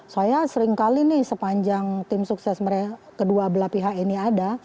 saya seringkali nih sepanjang tim sukses kedua belah pihak ini ada